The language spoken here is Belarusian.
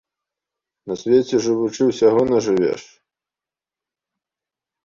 На свеце жывучы, усяго нажывеш.